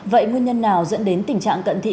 vậy nguyên nhân nào dẫn đến tình trạng cận thị